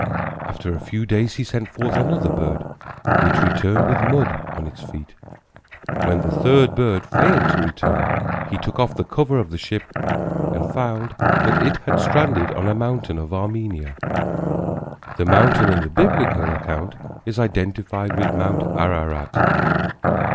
After a few days he sent forth another bird, which returned with mud on its feet. When the third bird failed to return, he took off the cover of the ship and found that it had stranded on a mountain of Armenia. The mountain in the Biblical account is identified with Mount Ararat.